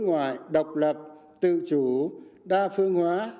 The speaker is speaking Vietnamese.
ngoại độc lập tự chủ đa phương hóa